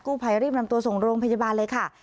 ภัยรีบนำตัวส่งโรงพยาบาลเลยค่ะ